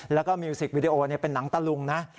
แล้วก็มิวสิกวิดีโอเป็นหนังตะลุงนะ